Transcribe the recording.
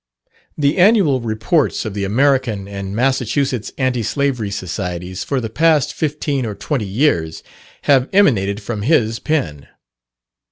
The "Annual Reports" of the American and Massachusetts Anti Slavery Societies for the past fifteen or twenty years, have emanated from his pen.